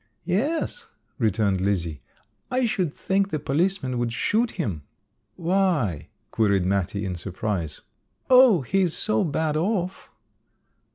"Yes," returned Lizzie, "I should think the policeman would shoot him." "Why?" queried Mattie in surprise. "Oh, he's so bad off."